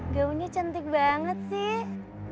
gaunya cantik banget sih